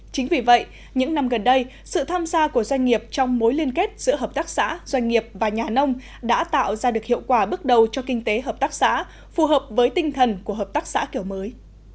chính vì vậy những năm gần đây sự tham gia của doanh nghiệp trong mối liên kết giữa hợp tác xã doanh nghiệp và nhà nông đã tạo ra được hiệu quả bước đầu cho kinh tế hợp tác xã phù hợp với tinh thần của hợp tác xã kiểu mới